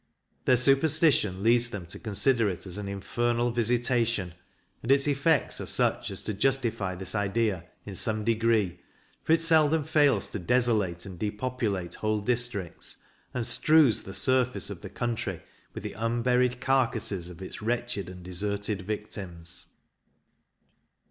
Their superstition leads them to consider it as an infernal visitation; and its effects are such as to justify this idea, in some degree, for it seldom fails to desolate and depopulate whole districts, and strews the surface of the country with the unburied carcases of its wretched and deserted victims.